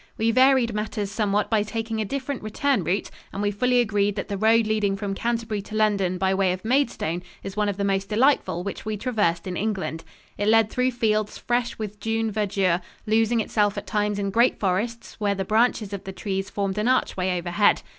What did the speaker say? We varied matters somewhat by taking a different return route, and we fully agreed that the road leading from Canterbury to London by way of Maidstone is one of the most delightful which we traversed in England. It led through fields fresh with June verdure, losing itself at times in great forests, where the branches of the trees formed an archway overhead.